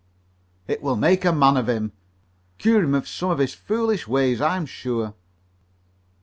"It will make a man of him cure him of some of his foolish ways, I'm sure."